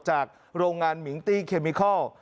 จากโรงงานมิงตี้เคมิเคล